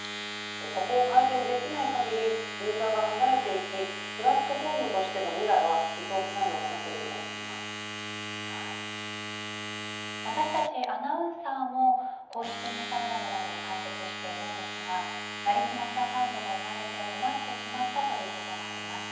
ここを改善できない限りユーザーが離れていきプラットフォームとしての未来は私たちアナウンサーも公式インスタグラムなどを開設しているんですが成り済ましアカウントが生まれて困ってしまったということがあります。